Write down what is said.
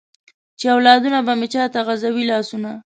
چې اولادونه به مې چاته غزوي لاسونه ؟